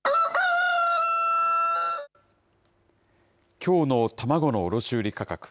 きょうの卵の卸売り価格。